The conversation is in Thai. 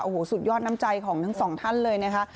โอ้โหสุดยอดน้ำใจของทั้งสองท่านเลยนะคะ